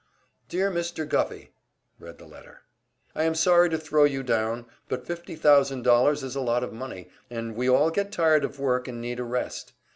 "Dear Mr. Guffey," read the letter, "I am sorry to throw you down, but fifty thousand dollars is a lot of money, and we all get tired of work and need a rest.